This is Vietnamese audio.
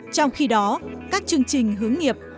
trong khi đó các chương trình hướng nghiệp